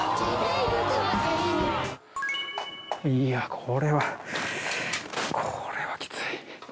これはこれはきつい。